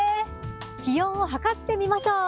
気温を測ってみましょう。